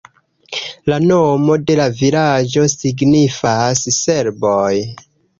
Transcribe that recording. La nomo de la vilaĝo signifas "serboj".